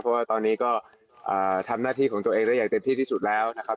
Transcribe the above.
เพราะว่าตอนนี้ก็ทำหน้าที่ของตัวเองได้อย่างเต็มที่ที่สุดแล้วนะครับ